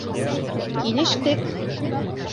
Килештек!